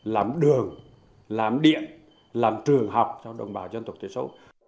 làm đường làm điện làm trường học cho đồng bào dân tộc thiểu số